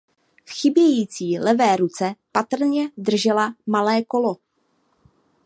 V chybějící levé ruce patrně držela malé kolo.